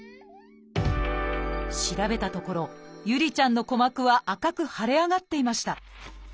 調べたところ侑里ちゃんの鼓膜は赤く腫れ上がっていました。